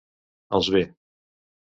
Els ve